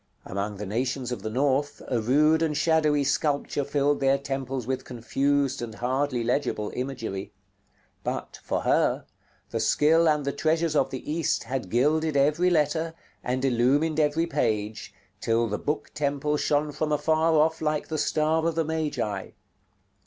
Among the nations of the North, a rude and shadowy sculpture filled their temples with confused and hardly legible imagery; but, for her, the skill and the treasures of the East had gilded every letter, and illumined every page, till the Book Temple shone from afar off like the star of the Magi.